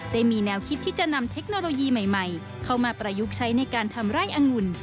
ได้มีแนวคิดที่จะนำเทคโนโลยีใหม่เข้ามาประยุกต์ใช้ในการทำไร่อังุ่น